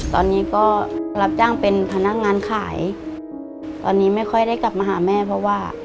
ตอนนี้ก็รับจ้างเป็นพนักงานขายตอนนี้ไม่ค่อยได้กลับมาหาแม่เพราะว่า